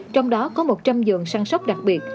trong đó có một trăm linh giường săn sóc đặc biệt